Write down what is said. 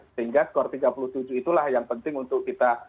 sehingga skor tiga puluh tujuh itulah yang penting untuk kita